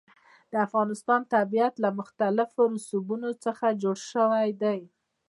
د افغانستان طبیعت له مختلفو رسوبونو څخه جوړ شوی دی.